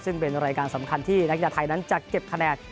ซึ่งเป็นรายการสำคัญที่นักกีฬาไทยนั้นจะเก็บคะแนน